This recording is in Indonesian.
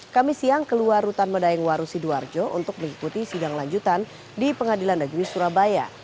kami siang keluar rutan medaeng waru sidoarjo untuk mengikuti sidang lanjutan di pengadilan negeri surabaya